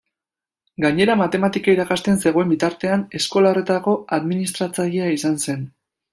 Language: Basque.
Gainera, matematika irakasten zegoen bitartean, eskola horretako administratzailea izan zen.